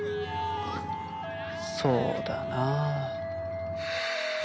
そうだなあ。